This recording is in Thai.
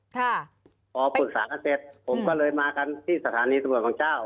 พอปรึกษากันเสร็จผมก็เลยมากันที่สถานีตำรวจของเจ้า